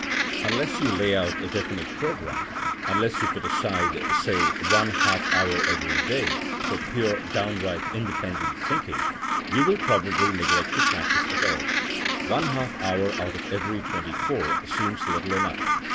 Unless you lay out a definite program, un less you put aside, say, one half hour every day, for pure downright independent thinking, you will probably neglect to practice at all. One half hour out of every twenty four seems little enough.